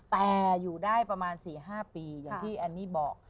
แต่อยู่ได้ประมาณ๔๕ปีอย่างที่แอนนี่บอก